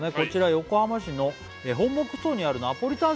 横浜市の本牧ふ頭にあるナポリタン